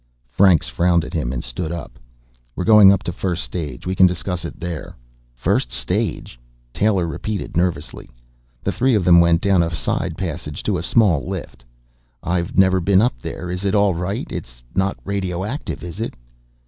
Franks frowned at him and stood up. "We're going up to first stage. We can discuss it there." "First stage?" Taylor repeated nervously. The three of them went down a side passage to a small lift. "I've never been up there. Is it all right? It's not radioactive, is it?"